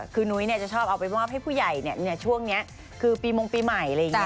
คือนุ๊ยชอบเอาไปบอกให้ผู้ใหญ่เนี่ยช่วงนี้คือปีมงปีใหม่เลย